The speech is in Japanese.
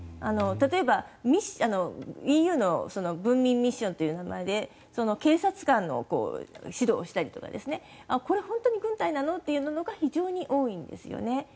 例えば、ＥＵの文民ミッションという名前で警察官の指導をしたりとかこれ、本当に軍隊なの？というのが非常に多いんですね。